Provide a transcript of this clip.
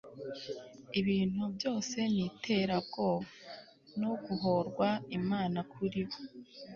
Ibintu byose ni iterabwoba no guhorwa Imana kuri bo